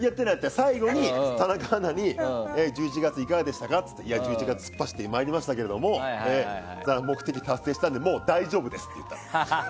最後に田中アナに１１月いかがでしたかといや、１１月突っ走ってまいりましたけども目的を達成したのでもう大丈夫ですと言ったの。